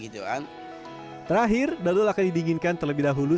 terakhir dadol akan didinginkan terlebih dahulu